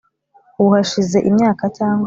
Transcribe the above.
Ubu hashize imyaka cyangwa